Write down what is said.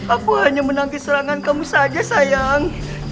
aku hanya menangkis serangan kamu saja sayang